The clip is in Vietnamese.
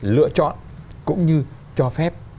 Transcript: lựa chọn cũng như cho phép